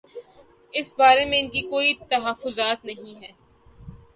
اس بارے میں ان کے کوئی تحفظات نہیں۔